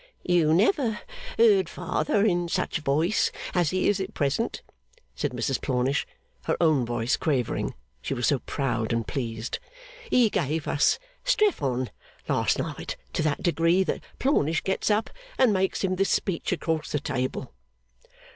You never heard father in such voice as he is at present,' said Mrs Plornish, her own voice quavering, she was so proud and pleased. 'He gave us Strephon last night to that degree that Plornish gets up and makes him this speech across the table.